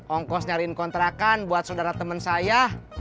ongkos nyariin kontrakan buat saudara teman saya